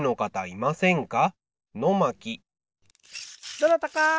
どなたか！